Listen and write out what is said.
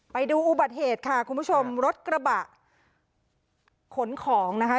ไปดูอุบัติเหตุค่ะคุณผู้ชมรถกระบะขนของนะคะ